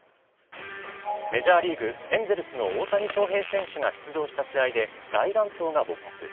メジャーリーグ・エンゼルスの大谷翔平選手が出場した試合で、大乱闘が勃発。